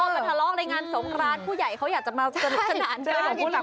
มาทะเลาะในงานสงครานผู้ใหญ่เขาอยากจะมาสนุกสนานใช่ไหม